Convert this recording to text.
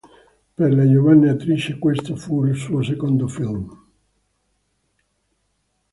Per la giovane attrice, questo fu il suo secondo film.